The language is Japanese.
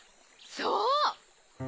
そう！